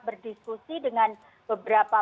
berdiskusi dengan beberapa